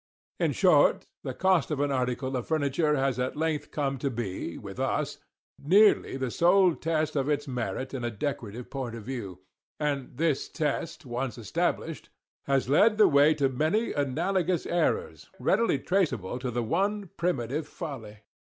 In short, the cost of an article of furniture has at length come to be, with us, nearly the sole test of its merit in a decorative point of view—and this test, once established, has led the way to many analogous errors, readily traceable to the one primitive folly.